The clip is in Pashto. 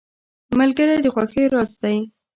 ملګری د خوښیو راز دی.